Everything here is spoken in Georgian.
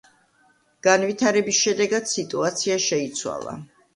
განვითარების შედეგად სიტუაცია შეიცვალა.